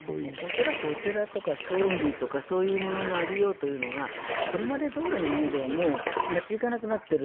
恐らくお寺とか葬儀とかそういうものの在りようがこれまでどおりのものではもう立ち行かなくなっている。